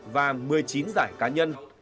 và một mươi chín giải cá nhân